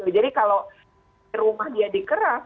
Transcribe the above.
jadi kalau di rumah dia dikeras